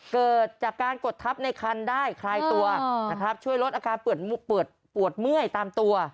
เกิดจากการกดทับในคันได้คลายตัวนะครับช่วยลดอาการปวดเมื่อยตามตัว